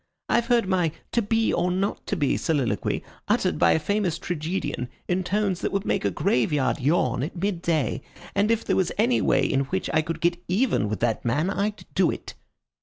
I've heard my 'To be or not to be' soliloquy uttered by a famous tragedian in tones that would make a graveyard yawn at mid day, and if there was any way in which I could get even with that man I'd do it."